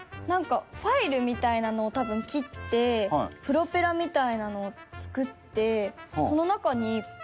なんかファイルみたいなのを多分切ってプロペラみたいなのを作って。